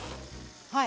はい。